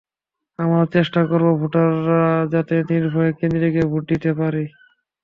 আমরা চেষ্টা করব ভোটাররা যাতে নির্ভয়ে কেন্দ্রে গিয়ে ভোট দিতে পারে।